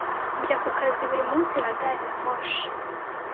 Njya ku kazi buri munsi na gari ya moshi.